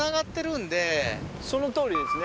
そのとおりですね。